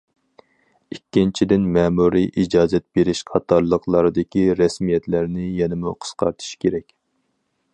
ئىككىنچىدىن، مەمۇرىي ئىجازەت بېرىش قاتارلىقلاردىكى رەسمىيەتلەرنى يەنىمۇ قىسقارتىش كېرەك.